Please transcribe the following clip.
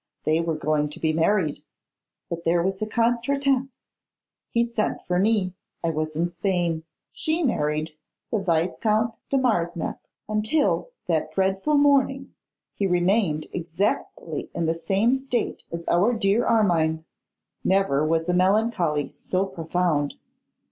They were going to be married; but there was a contretemps. He sent for me; I was in Spain; she married the Viscount de Marsagnac. Until that dreadful morning he remained exactly in the same state as our dear Armine. Never was a melancholy so profound.